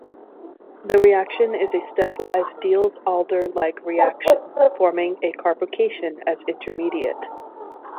The reaction is a stepwise Diels-Alder like reaction, forming a carbocation as intermediate.